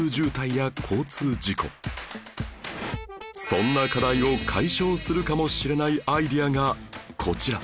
そんな課題を解消するかもしれないアイデアがこちら